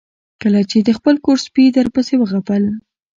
کله چې د خپل کور سپي درپسې وغپل